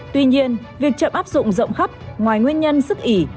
tuy nhiên việc chậm áp dụng rộng khắp ngoài nguyên nhân sức ỉ